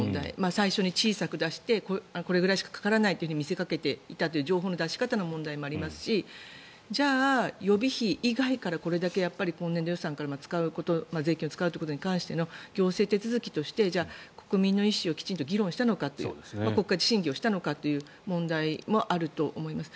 最初に小さく出してこれくらいしかかからないと見せかけていたという情報の出し方の問題もありますしじゃあ、予備費以外からこれだけ今年度予算から税金を使うということに関しての行政手続きとして、国民の意思をきちんと議論したのかという国会で審議したのかという問題もあると思います。